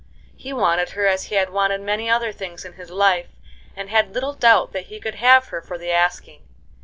He wanted her as he had wanted many other things in his life, and had little doubt that he could have her for the asking.